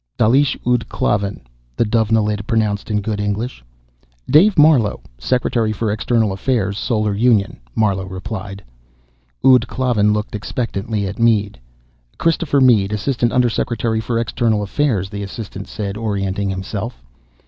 "Dalish ud Klavan," the Dovenilid pronounced, in good English. "David Marlowe, Secretary for External Affairs, Solar Union," Marlowe replied. Ud Klavan looked expectantly at Mead. "Christopher Mead, Assistant Undersecretary for External Affairs," the assistant said, orientating himself.